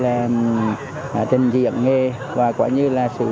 và quả như là trình diện nghề của các tỉnh thành phố huế